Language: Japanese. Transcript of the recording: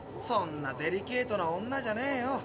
そんなデリケートな女じゃねえよ。